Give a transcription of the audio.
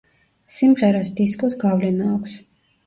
სიმღერას დისკოს გავლენა აქვს.